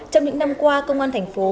trong những năm qua công an thành phố